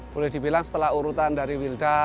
boleh dibilang setelah urutan dari wilda